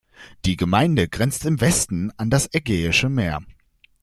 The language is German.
Die Gemeinde grenzt im Westen an das Ägäische Meer.